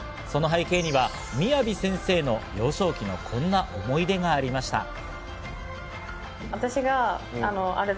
その背景には雅先生の幼少期のこんな思い出がありました。